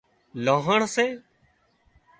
لانهڻ سي